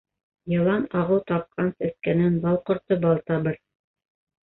Йылан ағыу тапҡан сәскәнән бал ҡорто бал табыр.